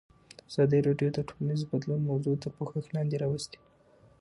ازادي راډیو د ټولنیز بدلون موضوع تر پوښښ لاندې راوستې.